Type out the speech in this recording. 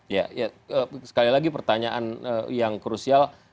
ya sekali lagi pertanyaan yang krusial